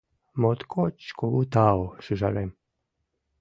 Моткоч кугу тау, шӱжарем!